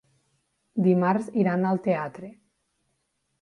Dimarts iran al teatre.